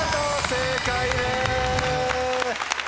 正解です。